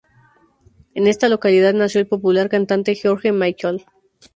En esta localidad nació el popular cantante George Michael.